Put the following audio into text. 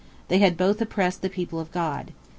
They had both oppressed the people of God.